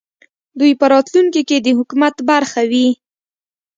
دوی په راتلونکې کې د حکومت برخه وي